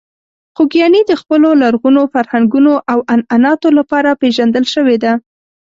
خوږیاڼي د خپلو لرغونو فرهنګونو او عنعناتو لپاره پېژندل شوې ده.